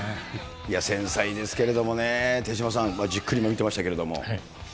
いや、繊細ですけれどもね、手嶋さん、じっくり今見てましたけども。